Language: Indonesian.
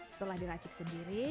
setelah diracik sendiri